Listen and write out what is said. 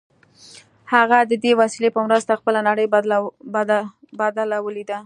هغه د دې وسیلې په مرسته خپله نړۍ بدله ولیده